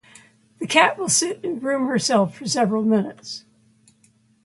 The cat will sit and groom herself for several minutes.